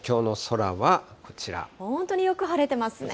本当によく晴れてますね。